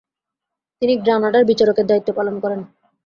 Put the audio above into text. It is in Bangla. তিনি গ্রানাডার বিচারকের দায়িত্ব পালন করেন।